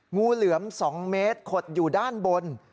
งูเหลือม๒เมตรขดอยู่ด้านบน